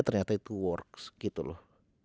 ternyata itu works gitu loh